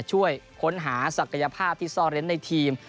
ช่วยค้นหาศักยภาพที่ซ่อนเร้นในทีม